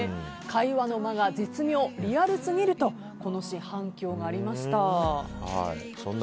会話の間が絶妙、リアルすぎるとこのシーン反響がありました。